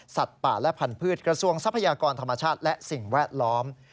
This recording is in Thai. ป่าและพันธุ์กระทรวงทรัพยากรธรรมชาติและสิ่งแวดล้อม